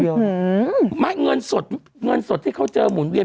หือไม่เงินสดที่เขาเจอหมุนเวียน